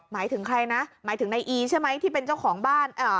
หมายถึงใครนะหมายถึงในอีใช่ไหมที่เป็นเจ้าของบ้าน